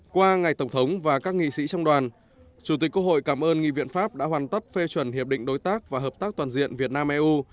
qua ngày tổng thống và các nghị sĩ trong đoàn chủ tịch quốc hội cảm ơn nghị viện pháp đã hoàn tất phê chuẩn hiệp định đối tác và hợp tác toàn diện việt nam eu